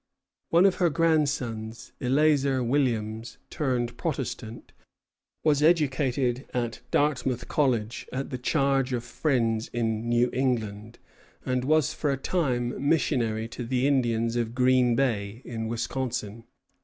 One of her grandsons, Eleazer Williams, turned Protestant, was educated at Dartmouth College at the charge of friends in New England, and was for a time missionary to the Indians of Green Bay, in Wisconsin.